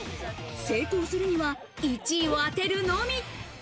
成功するには１位を当てるのみ。